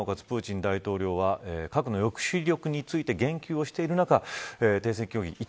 プーチン大統領は核の抑止力について言及している中停戦協議